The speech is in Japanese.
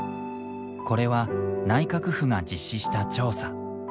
これは内閣府が実施した調査。